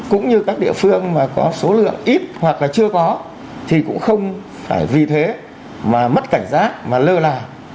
cũng như các địa phương mà có số lượng ít hoặc là chưa có thì cũng không phải vì thế mà mất cảnh giác mà lơ là